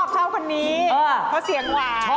ชอบเท่ากันนี้เพราะเสียงหวาน